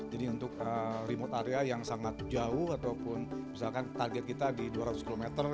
jadi untuk remote area yang sangat jauh ataupun misalkan target kita di dua ratus km